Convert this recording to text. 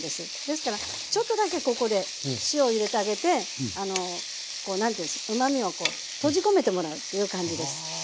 ですからちょっとだけここで塩入れてあげてあのこう何ていうんですかうまみを閉じ込めてもらうっていう感じです。